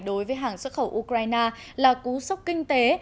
đối với hàng xuất khẩu ukraine là cú sốc kinh tế